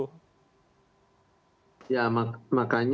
ya makanya kan butuh ya penguatan bukan hanya dari saya